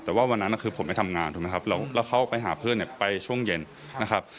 แต่ว่าวันนั้นคือผมไปทำงานถูกไหมครับแล้วเขาไปหาเพื่อนเนี่ยไปช่วงเย็นนะครับ